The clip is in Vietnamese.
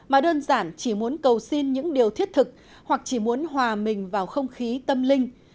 mà đơn giản chỉ muốn cầu xin những điều thiết thực hoặc chỉ muốn hòa mình vào không khí tâm linh